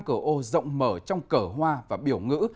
năm cờ ô rộng mở trong cờ hoa và biểu ngữ